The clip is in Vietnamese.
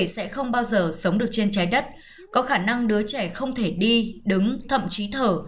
sống được trên trái đất có khả năng đứa trẻ không thể đi đứng thậm chí thở